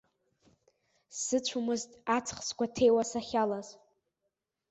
Сзыцәомызт аҵх сгәаҭеиуа сахьалаз.